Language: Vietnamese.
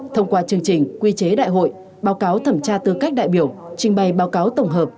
thông qua chương trình quy chế đại hội báo cáo thẩm tra tư cách đại biểu trình bày báo cáo tổng hợp